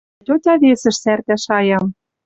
Дӓ тьотя весӹш сӓртӓ шаям: